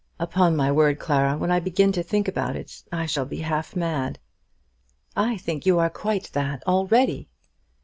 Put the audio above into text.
Upon my word, Clara, when I begin to think about it I shall be half mad." "I think you are quite that already."